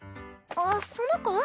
あっその子？